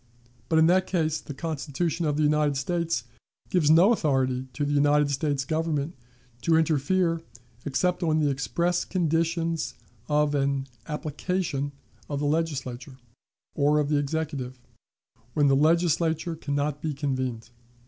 But in that case the Constitution of the United States gives no authority to the United States Government to interfere except on the express conditions of an "application of the Legislature, or of the Executive, when the Legislature can not be convened."